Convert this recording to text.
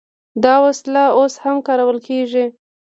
دا وسله اوس هم کارول کیږي.